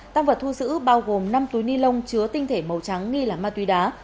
tăng vật thu giữ bao gồm năm túi ni lông chứa tinh thể màu trắng nghi là ma túy đá